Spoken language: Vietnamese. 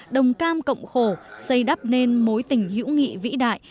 đồng cam cộng khổ xây đắp nên mối tình hữu nghị vĩ đại